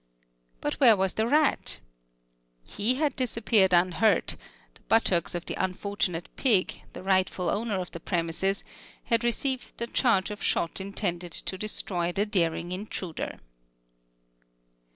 But where was the rat? He had disappeared unhurt; the buttocks of the unfortunate pig, the rightful owner of the premises, had received the charge of shot intended to destroy the daring intruder.